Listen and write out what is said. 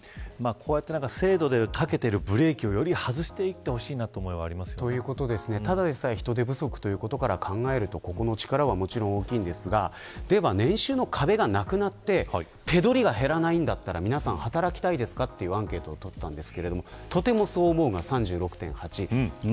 こうやって、制度でかけているブレーキを外していってほしいなただでさえ人手不足ということから考えると個々の力はもちろん大きいんですがでは、年収の壁がなくなって手取りが減らないんだったら皆さん働きたいですか、というアンケートをとりました。